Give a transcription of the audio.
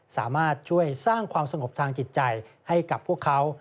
สามารถช่วยสร้างความสงบทางจิตใจให้กับพวกเขา